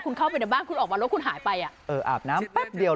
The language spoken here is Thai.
คุณเข้าไปในบ้านคุณออกมาแล้วคุณหายไปอ่ะเอออาบน้ำแป๊บเดียว